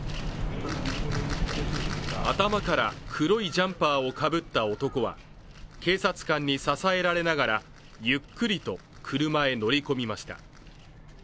頭から黒いジャンパーをかぶった男は警察官に支えられながらゆっくりと車へ乗り込みました。